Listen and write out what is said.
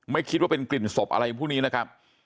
ไม่คิดว่าเป็นกลิ่นศพอะไรพวกนี้นะครับ